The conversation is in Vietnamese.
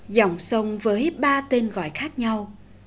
dòng sông với ba tên gọi khác nhau